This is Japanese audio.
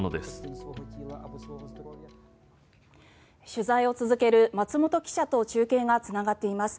取材を続ける松本記者と中継がつながっています。